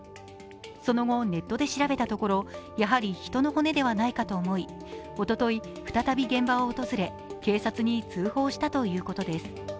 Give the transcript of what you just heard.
その後、ネットで調べたところ、やはり人の骨ではないかと思い、おととい、再び現場を訪れ、警察に通報したということです。